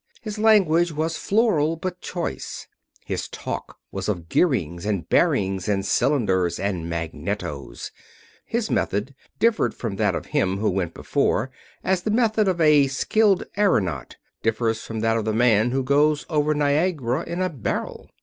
His language was floral, but choice; his talk was of gearings and bearings and cylinders and magnetos; his method differed from that of him who went before as the method of a skilled aëronaut differs from that of the man who goes over Niagara in a barrel.